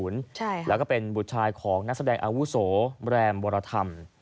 แล้วก็เป็นบุตรชายของนักแสดงอาวุโสแรมวรธรรม